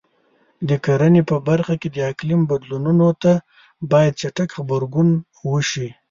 د کرنې په برخه کې د اقلیم بدلونونو ته باید چټک غبرګون وشي.